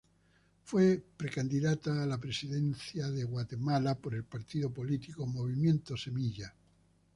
Fue precandidata a la presidencia de Guatemala por el partido político Movimiento Semilla.